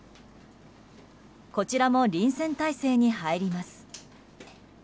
こちらも臨戦態勢に入ります。